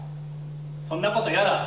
そんなこと嫌だ。